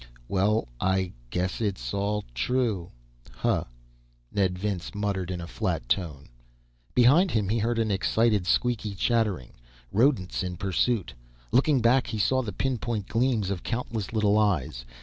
"Well, I guess it's all true, huh?" Ned Vince muttered in a flat tone. Behind him he heard an excited, squeaky chattering. Rodents in pursuit. Looking back, he saw the pinpoint gleams of countless little eyes.